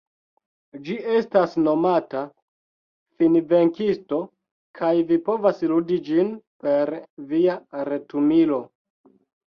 Ĝi estas nomata Finvenkisto kaj vi povas ludi ĝin per via retumilo.